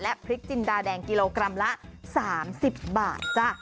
พริกจินดาแดงกิโลกรัมละ๓๐บาทจ้ะ